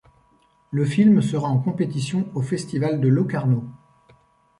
Le film sera en compétition au festival de Locarno.